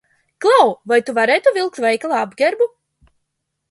Klau, vai tu varētu vilkt veikala apģērbu?